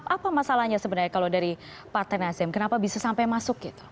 apa masalahnya sebenarnya kalau dari partai nasdem kenapa bisa sampai masuk gitu